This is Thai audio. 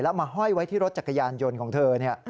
มาห้อยไว้ที่รถจักรยานยนต์ของเธอ